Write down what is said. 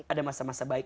ada masa masa baik